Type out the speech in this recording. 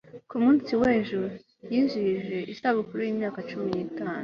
ku munsi w'ejo yijihije isabukuru y'imyaka cumi n'itanu